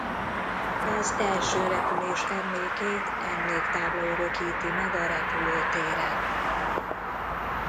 Az első repülés emlékét emléktábla örökíti meg a repülőtéren.